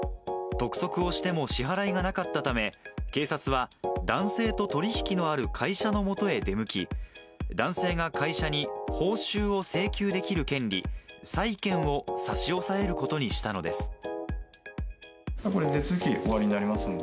督促をしても支払いがなかったため、警察は、男性と取り引きのある会社のもとへ出向き、男性が会社に報酬を請求できる権利、債権を差し押さえることにしたのです。